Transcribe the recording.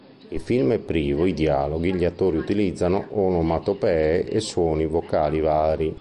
Il film è privo i dialoghi, gli attori utilizzano onomatopee e suoni vocali vari.